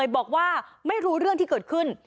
บอกว่าไม่รู้เรื่องที่เกิดขึ้น